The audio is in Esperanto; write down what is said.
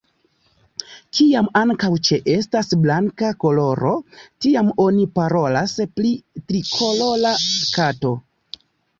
Kiam ankaŭ ĉeestas blanka koloro, tiam oni parolas pri trikolora kato.